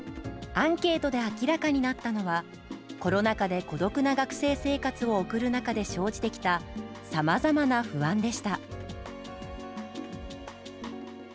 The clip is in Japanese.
アンケートで明らかになったのはコロナ禍で孤独な学生生活を送る中で生じてきたさまざまな不安でした。